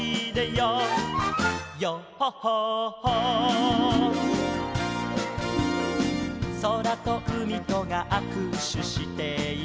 「ヨッホッホッホー」「そらとうみとがあくしゅしている」